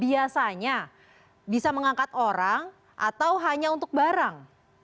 biasanya bisa mengangkat orang atau hanya untuk barang